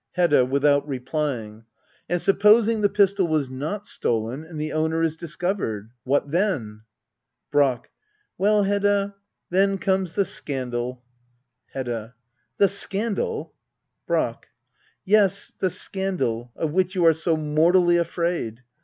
Hedda. [Without replying,] And supposing the pistol was not stolen, and the owner is discovered ? What then? Brack. Well, Hedda — then comes the scandal. Hedda. The scandal ! Brack. Yes, the scandal — of which you are so mortally afraid.